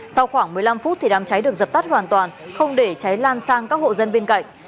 sau khoảng một mươi năm phút đám cháy được dập tắt hoàn toàn không để cháy lan sang các hộ dân bên cạnh